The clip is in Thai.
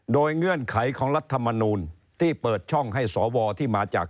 โดยเงื่อนไขของรัฐมนูลที่เปิดช่องให้สวที่มาจาก